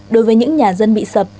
đối với những nhà dân bị sập